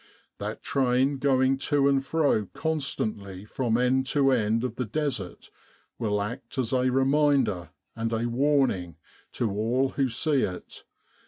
That train going to and fro constantly from end to end of the Desert will act as a reminder and a warning to all who see it.